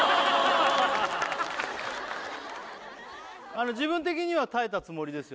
あの自分的には耐えたつもりですよね？